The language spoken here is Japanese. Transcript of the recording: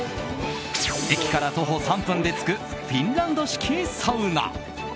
駅から徒歩３分で着くフィンランド式サウナ。